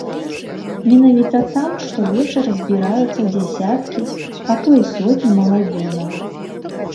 Менавіта там штовечар збіраюцца дзесяткі, а то і сотні маладзёнаў.